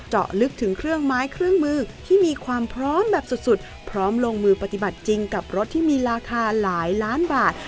เจาะลึกถึงเครื่องไม้เครื่องมือที่มีความพร้อมแบบสุดพร้อมลงมือปฏิบัติจริงกับรถที่มีราคาหลายล้านบาท